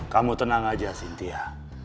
kamu tenang aja sintia